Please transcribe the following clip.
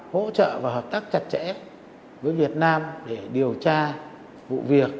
hỗ trợ và hợp tác chặt chẽ với việt nam để điều tra vụ việc